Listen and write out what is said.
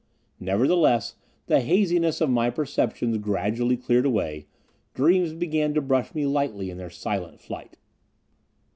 Nevertheless the haziness of my perceptions gradually cleared away, dreams began to brush me lightly in their silent flight.